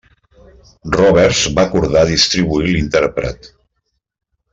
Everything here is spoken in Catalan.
Roberts va acordar distribuir l'intèrpret.